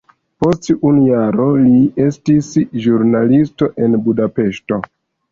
Post unu jaro li estis ĵurnalisto en Budapeŝto.